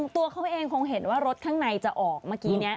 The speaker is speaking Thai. ตัวเขาเองคงเห็นว่ารถข้างในจะออกเมื่อกี้นี้